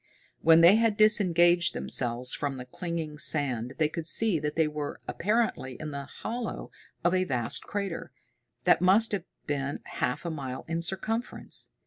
When they had disengaged themselves from the clinging sand they could see that they were apparently in the hollow of a vast crater, that must have been half a mile in circumference.